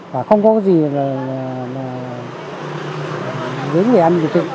và không có cái gì là